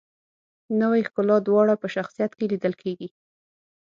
نوې ښکلا دواړه په شخصیت کې لیدل کیږي.